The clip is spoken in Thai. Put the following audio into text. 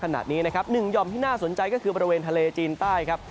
หนึ่งหย่อมที่น่าสนใจก็คือบริเวณทะเลจีนใต้ครับ